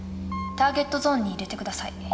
ターゲットゾーンに入れて下さい。